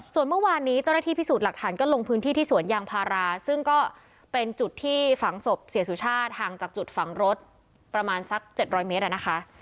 ส่วนเมื่อวานนี้เจ้าหน้าที่พิสูจน์หลักฐานก็ลงพื้นที่ที่สวนยางพาราซึ่งก็เป็นจุดที่ฝังศพเสียสุชาติห่างจากจุดฝังรถประมาณสัก๗๐๐เมตรนะคะ